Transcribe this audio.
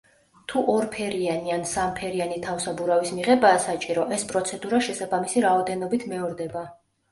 თუ ორ ფერიანი ან სამ ფერიანი თავსაბურავის მიღებაა საჭირო, ეს პროცედურა შესაბამისი რაოდენობით მეორდება.